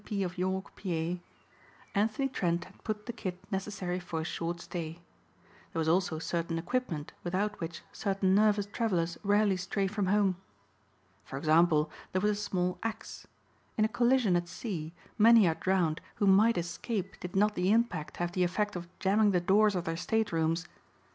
P. of York, Pa." Anthony Trent had put the kit necessary for a short stay. There was also certain equipment without which certain nervous travelers rarely stray from home. For example there was a small axe. In a collision at sea many are drowned who might escape did not the impact have the effect of jamming the doors of their state rooms.